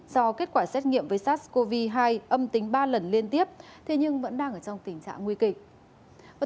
do kết quả xét nghiệm với sars cov hai âm tính ba lần liên tiếp thế nhưng vẫn đang ở trong tình trạng nguy kịch